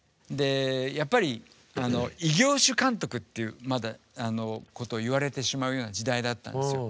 やっぱり「異業種監督」っていうことを言われてしまうような時代だったんですよ。